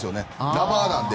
ラバーなので。